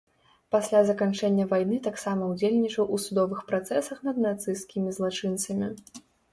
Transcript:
Пасля заканчэння вайны таксама ўдзельнічаў у судовых працэсах над нацысцкімі злачынцамі.